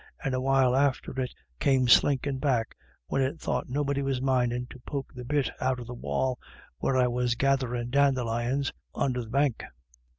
And a while after it came slinkin' back, when it thought nobody was mindin', to poke the bit out of the wall, where I was gatherin' dandelions under the 392 IRISH IDYLLS. bank.